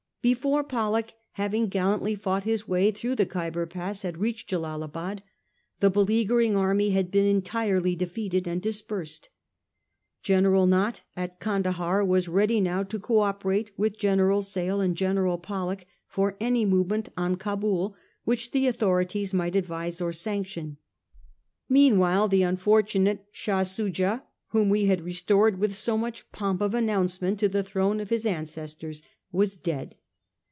Before Pollock, having gallantly fought his way through the Khyber Pass, had reached Jellalabad, the beleaguering army had been entirely defeated and dispersed. General Nott at Candahar was ready now to co operate with General Sale and General Pollock for any movement on Cabul which the authorities might advise or sanction. Meanwhile the unfortunate Shah Soojah, whom we had restored with so much pomp of announcement to the throne of his ancestors, was dead.